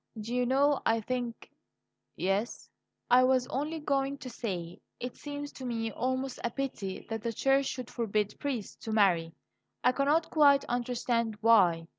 Do you know, I think " "Yes?" "I was only going to say it seems to me almost a pity that the Church should forbid priests to marry. I cannot quite understand why.